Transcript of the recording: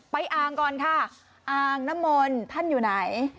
อ่างก่อนค่ะอ่างน้ำมนต์ท่านอยู่ไหน